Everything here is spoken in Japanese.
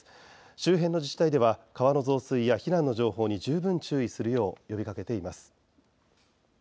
周辺の自治体では川の増水や避難の情報に十分、注意するよう呼びかけています。